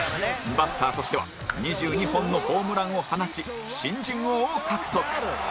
バッターとしては２２本のホームランを放ち新人王を獲得！